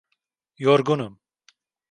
Yorgunum.